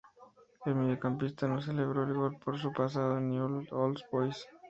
El mediocampista no celebró el gol por su pasado en Newell's Old Boys.